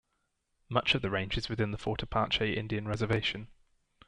Much of the range is within the Fort Apache Indian Reservation.